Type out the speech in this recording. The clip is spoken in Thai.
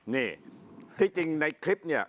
นี่ที่จริงในคลิปเนี่ย